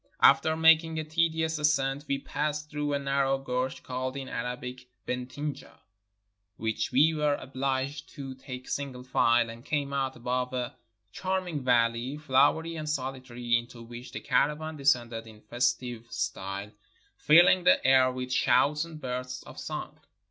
After making a tedious ascent we passed through a narrow gorge called in Arabic, Ben Tinea, which we were obliged to take single file, and came out above a charming valley, flowery and solitary, into which the caravan descended in festive style, filling the air with shouts and burst of song.